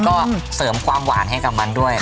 ก็เสริมความหวานให้กับมันด้วย